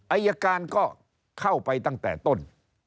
อายการก็เข้าไปตั้งแต่ต้น